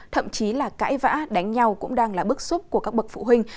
thậm chí là cãi vã đánh nhau cũng đang là bức xúc của các bậc phụ huynh